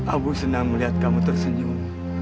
aku senang melihat kamu tersenyum